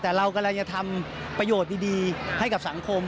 แต่เรากำลังจะทำประโยชน์ดีให้กับสังคม